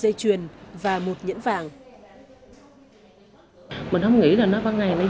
dây chuyền và một nhẫn vàng